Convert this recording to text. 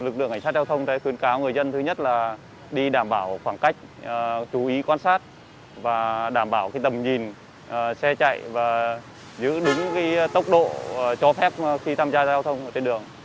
lực lượng cảnh sát giao thông đã khuyên cáo người dân thứ nhất là đi đảm bảo khoảng cách chú ý quan sát và đảm bảo tầm nhìn xe chạy và giữ đúng tốc độ cho phép khi tham gia giao thông trên đường